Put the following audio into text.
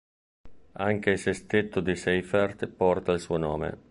Anche il Sestetto di Seyfert porta il suo nome.